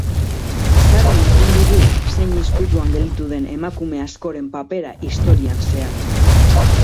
Sarri entzuten dugu, zein izkutuan gelditu den emakume askoren papera historian zehar.